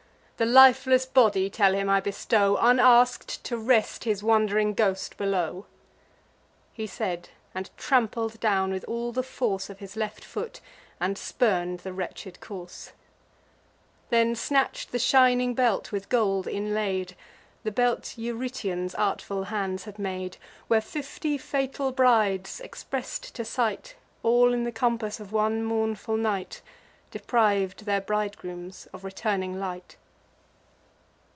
The lifeless body, tell him, I bestow, Unask'd, to rest his wand'ring ghost below." He said, and trampled down with all the force Of his left foot, and spurn'd the wretched corse; Then snatch'd the shining belt, with gold inlaid; The belt Eurytion's artful hands had made, Where fifty fatal brides, express'd to sight, All in the compass of one mournful night, Depriv'd their bridegrooms of returning light.